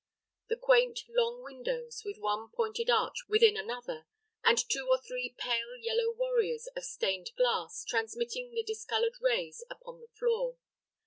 The quaint, long windows, with one pointed arch within another, and two or three pale yellow warriors of stained glass, transmitting the discolored rays upon the floor.